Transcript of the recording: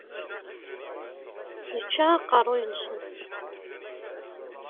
Yečča aqerruy-nsen.